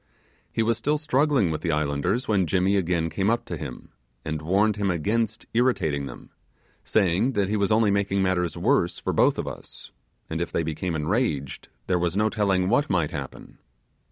He was still struggling with the islanders when Jimmy again came up to him, and warned him against irritating them, saying that he was only making matters worse for both of us, and if they became enraged, there was no telling what might happen.